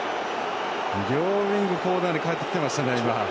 両ウイングコーナーに帰ってきてましたね。